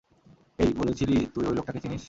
এই, বলেছিলি তুই ঐ লোকটাকে চিনিস?